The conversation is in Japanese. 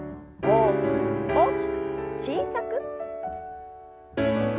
大きく大きく小さく。